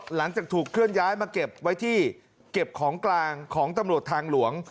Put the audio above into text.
หลังจากถูกเคลื่อนย้ายมาเก็บไว้ที่เก็บของกลางของตำรวจทางหลวง